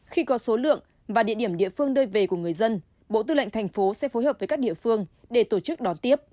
khi có số lượng và địa điểm địa phương đưa về của người dân bộ tư lệnh thành phố sẽ phối hợp với các địa phương để tổ chức đón tiếp